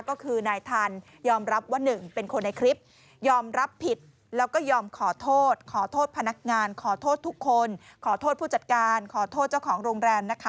ก็คือนายทันยอมรับว่าหนึ่งเป็นคนในคลิปยอมรับผิดแล้วก็ยอมขอโทษขอโทษพนักงานขอโทษทุกคนขอโทษผู้จัดการขอโทษเจ้าของโรงแรมนะคะ